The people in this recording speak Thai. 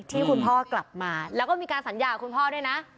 ที่คุณพ่อกลับมาแล้วก็มีการสัญญากับคุณพ่อด้วยนะ